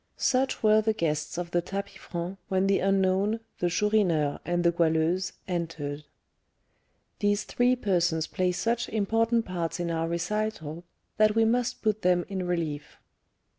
Such were the guests of the tapis franc when the unknown, the Chourineur, and the Goualeuse entered. These three persons play such important parts in our recital, that we must put them in relief.